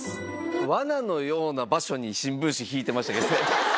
わなのような場所に新聞紙敷いてましたけどね。